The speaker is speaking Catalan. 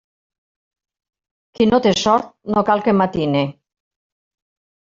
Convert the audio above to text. Qui no té sort, no cal que matine.